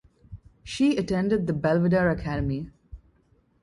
She attended the Belvedere Academy.